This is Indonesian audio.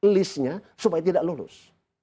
list nya supaya tidak lulus